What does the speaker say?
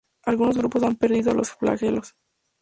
Algunos grupos han perdido los flagelos.